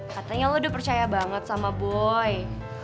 katanya lo udah percaya banget sama boy